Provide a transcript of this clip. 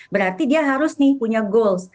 berarti dia harus nih punya goals